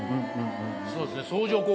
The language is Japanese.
そうですね。